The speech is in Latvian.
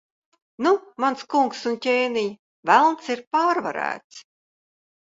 Nu, mans kungs un ķēniņ, Velns ir pārvarēts.